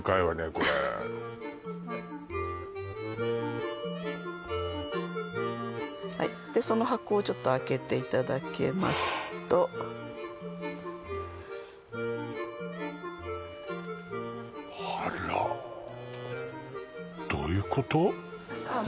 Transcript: これはいその箱をちょっと開けていただきますとあらそうなんです